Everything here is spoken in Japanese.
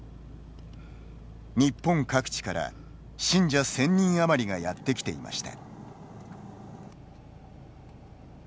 日本各地から信者１０００人あまりがやってきていました。